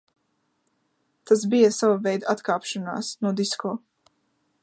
Tas bija sava veida atkāpšanās no disko.